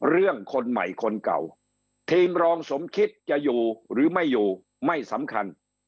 คนใหม่คนเก่าทีมรองสมคิดจะอยู่หรือไม่อยู่ไม่สำคัญ